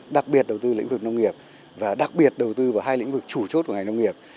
đặc biệt đầu tư lĩnh vực nông nghiệp và đặc biệt đầu tư vào hai lĩnh vực chủ chốt của ngành nông nghiệp